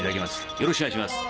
よろしくお願いします。